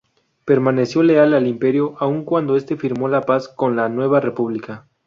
Permaneció leal al Imperio aun cuando este firmó la paz con la Nueva República.